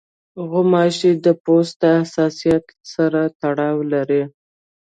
غوماشې د پوست له حساسیت سره تړاو لري.